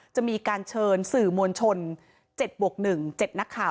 จะมีการเชิญสื่อมวลชน๗บวก๑๗นักข่าว